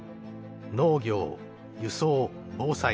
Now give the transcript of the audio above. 農業輸送防災。